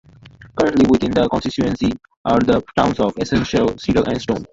Currently within the constituency are the towns of Eccleshall, Cheadle and Stone.